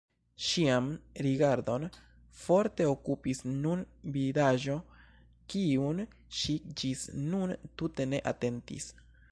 Ŝian rigardon forte okupis nun vidaĵo, kiun ŝi ĝis nun tute ne atentis.